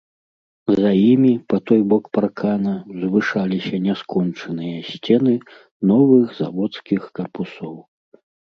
За імі, па той бок паркана, узвышаліся няскончаныя сцены новых заводскіх карпусоў.